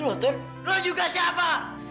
lo juga siapa